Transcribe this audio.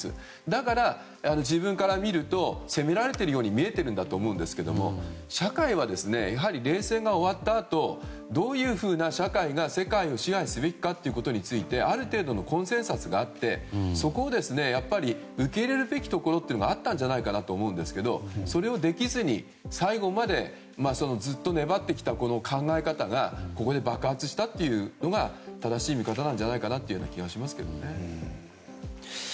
だから、自分から見ると攻められているように見えているんだと思うんですけど社会は冷戦が終わったあとどういうふうな社会が世界を支配すべきかということについてある程度のコンセンサスがあってそこをやっぱり受け入れるべきところがあったんじゃないかなと思うんですけどそれをできずに最後までずっと粘ってきたこの考え方がここで爆発したというのが正しい見方のような気がしますけどね。